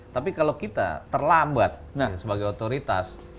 tapi kalau kita terlambat sebagai otoritas